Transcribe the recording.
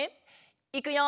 いくよ！